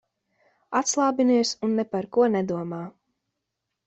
Atslābinies un ne par ko nedomā.